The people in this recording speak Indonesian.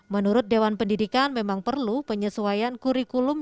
menurut dewan pendidikan memang perlu penyesuaian kurikulum